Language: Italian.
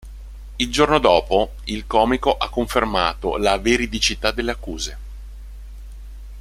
Il giorno dopo, il comico ha confermato la veridicità delle accuse.